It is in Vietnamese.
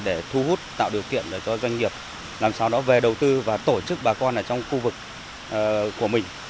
để thu hút tạo điều kiện để cho doanh nghiệp làm sao đó về đầu tư và tổ chức bà con ở trong khu vực của mình